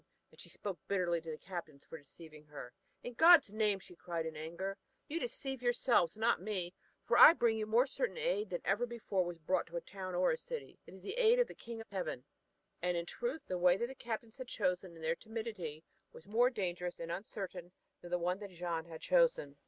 And she spoke bitterly to the captains for deceiving her. "In God's name," she cried in anger, "you deceive yourselves, not me, for I bring you more certain aid than ever before was brought to a town or city. It is the aid of the King of Heaven," and in truth the way that the captains had chosen in their timidity was more dangerous and uncertain than the one that Jeanne had chosen.